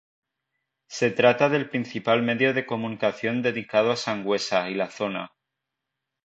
Se trata del principal medio de comunicación dedicado a Sangüesa y la zona.